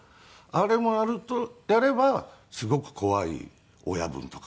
あれもやればすごく怖い親分とかもやっていて。